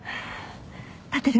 立てる？